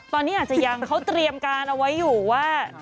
ตอนนี้อาจจะยังเขาเตรียมการเอาไว้อยู่ว่า